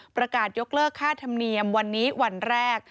ประกาศยกเลิกค่าธรรมเนียมวันนี้วันแรก